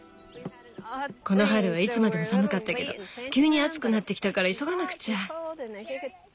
この春はいつまでも寒かったけど急に暑くなってきたから急がなくちゃ。